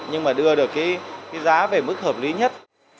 nhưng mà đưa được cái giá về mức hợp lý nhất